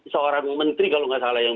seorang menteri kalau nggak salah yang